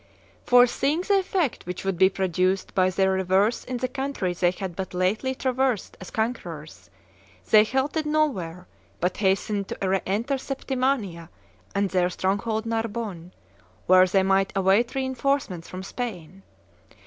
195] Foreseeing the effect which would be produced by their reverse in the country they had but lately traversed as conquerors, they halted nowhere, but hastened to reenter Septimania and their stronghold Narbonne, where they might await reenforcements from Spain.